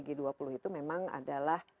g dua puluh itu memang adalah